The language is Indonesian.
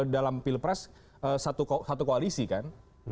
dalam pilpres satu koalisi kan